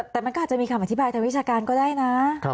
แต่มันก็อาจจะมีคำอธิบายทางวิชาการก็ได้นะ